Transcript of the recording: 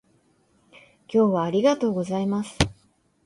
今日はありがとうございます